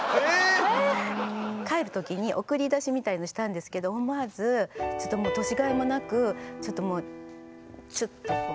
帰る時に送り出しみたいのしたんですけど思わずちょっともう年がいもなくちょっともうチュッとこう。